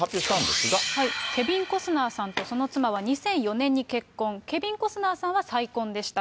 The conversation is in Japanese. ケビン・コスナーさんとその妻は２００４年に結婚、ケビン・コスナーさんは再婚でした。